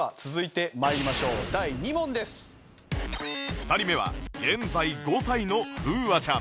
２人目は現在５歳のふうあちゃん